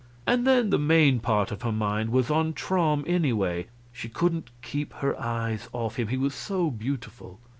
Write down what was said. And then the main part of her mind was on Traum, anyway; she couldn't keep her eyes off him, he was so beautiful.